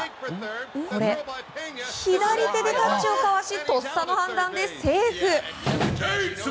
これ、左手でタッチをかわしとっさの判断でセーフ！